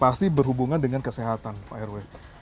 pasti berhubungan dengan kesehatan pak rw